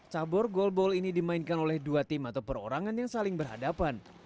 cabur golball ini dimainkan oleh dua tim atau perorangan yang saling berhadapan